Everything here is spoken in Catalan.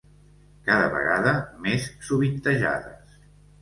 Cada vegada més sovintejades.